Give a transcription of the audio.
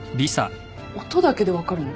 音だけで分かるの？